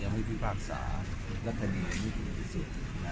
ยังไม่ได้ภาคศาสตร์และคณียังไม่ถูกที่สุด